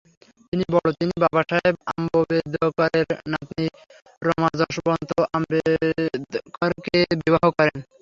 তিনি বড় তিনি বাবা সাহেব আম্ববেদকরের নাতনি রমাযশবন্ত আম্বেদকরকে বিবাহ করেন।